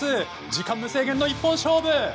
時間無制限の一本勝負！